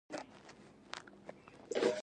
پښتانه غیرتمن خلک دي.